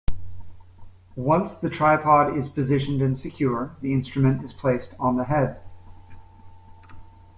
Once the tripod is positioned and secure, the instrument is placed on the head.